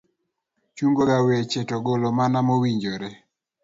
chungo ga weche to golo mana ma owinjore.